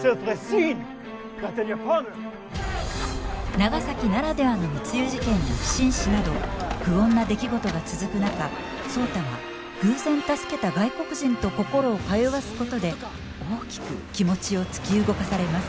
長崎ならではの密輸事件や不審死など不穏な出来事が続く中壮多は偶然助けた外国人と心を通わすことで大きく気持ちを突き動かされます。